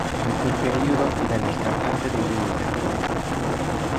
In quel periodo, divenne il cantante degli Interpol.